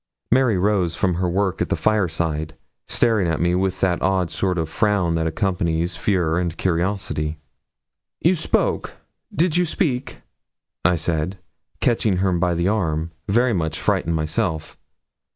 Mary rose from her work at the fireside, staring at me with that odd sort of frown that accompanies fear and curiosity. 'You spoke? Did you speak?' I said, catching her by the arm, very much frightened myself.